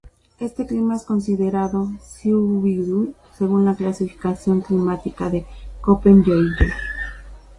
Este clima es considerado Cwb según la clasificación climática de Köppen-Geiger.